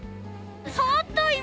触った今。